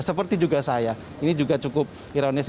seperti juga saya ini juga cukup ironis